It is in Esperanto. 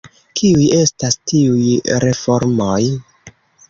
Kiuj estas tiuj reformoj?